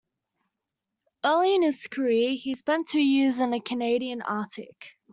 Early in his career, he spent two years in the Canadian Arctic.